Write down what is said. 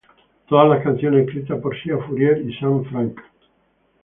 Todas las canciones escritas por Sia Furler y Sam Frank.